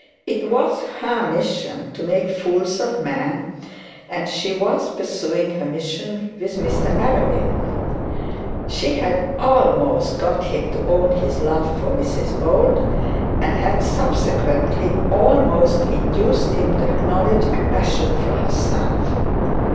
It was her mission to make fools of men, and she was pursuing her mission with Mr Arabin. She had almost got him to own his love for Mrs Bold, and had subsequently almost induced him to acknowledge a passion for herself.